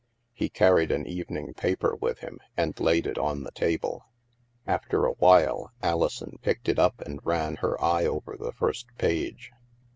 He carried an evening paper with him and laid it on the table. After a while, Alison picked it up and ran her eye over the first page.